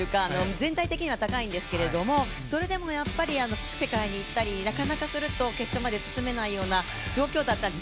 全体的には高いんですけれどもそれでもやっぱり世界に行ったりすると決勝まで進めないような状況だったんです。